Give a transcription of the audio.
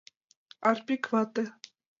Арпик вате.